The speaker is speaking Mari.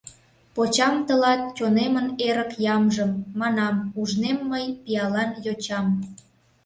Почам тылат чонемын эрык ямжым, Манам: ужнем мый пиалан йочам.